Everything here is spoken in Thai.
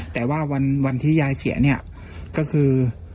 แต่ว่าวันที่ยายเสียเนี่ยก็คือ